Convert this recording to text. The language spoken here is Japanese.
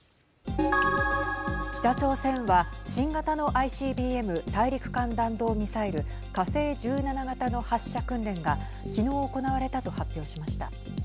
北朝鮮は新型のＩＣＢＭ＝大陸間弾道ミサイル火星１７型の発射訓練が昨日行われたと発表しました。